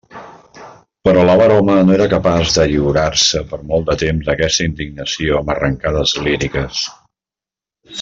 Però l'avar home no era capaç de lliurar-se per molt de temps a aquesta indignació amb arrancades líriques.